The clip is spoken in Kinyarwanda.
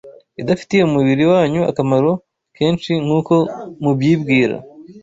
idafitiye umubiri wanyu akamaro kenshi nk’uko mubyibwira.